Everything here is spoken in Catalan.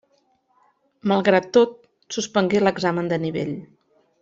Malgrat tot, suspengué l'examen de nivell.